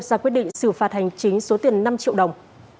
ra quyết định xử phạt hành chính số tiền năm triệu đồng